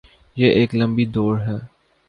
یہ ایک لمبی دوڑ ہے۔